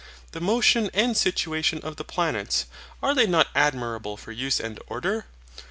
The motion and situation of the planets, are they not admirable for use and order?